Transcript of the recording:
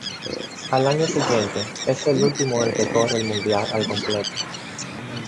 Al año siguiente, es el último en el que corre el Mundial al completo.